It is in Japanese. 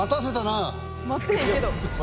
待ってへんけど。